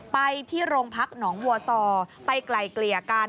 ไปที่โรงพักหนองวัวซอไปไกลเกลี่ยกัน